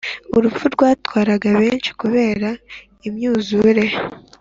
urupfu rwatwaraga benshi kubera imyuzure.